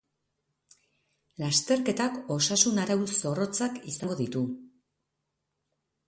Lasterketak osasun arau zorrotzak izango ditu.